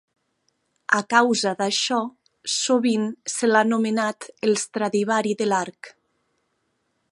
A causa d'això, sovint se l'ha anomenat el Stradivari de l'arc.